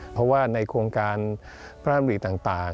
เพราะว่าในโครงการพระอนับอุ่นต่าง